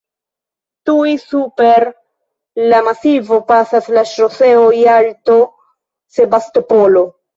Tuj super la masivo pasas la ŝoseo Jalto-Sebastopolo.